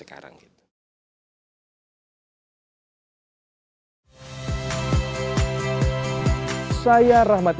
itu yang kita lihat